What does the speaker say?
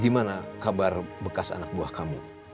gimana kabar bekas anak buah kamu